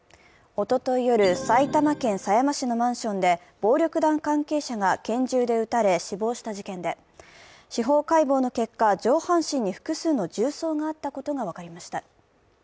おととい夜、埼玉県狭山市のマンションで暴力団関係者が拳銃で撃たれ死亡した事件で、司法解剖の結果、上半身に複数の銃創があったことが分かりました。